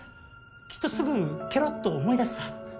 きっとすぐけろっと思い出すさ。